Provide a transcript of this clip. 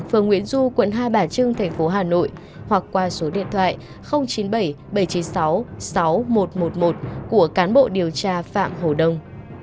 phường nguyễn du quận hai bà trưng thành phố hà nội hoặc qua số điện thoại chín mươi bảy bảy trăm chín mươi sáu sáu nghìn một trăm một mươi một của cán bộ điều tra phạm hồ đông